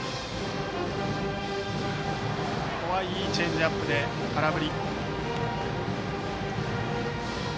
ここはいいチェンジアップで空振り。